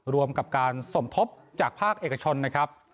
รวมกับการสมทบจากภาคเอกชนนะครับ